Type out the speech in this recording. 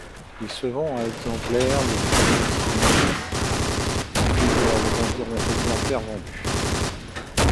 Il se vend à exemplaires la première semaine pour finir avec environ exemplaires vendus.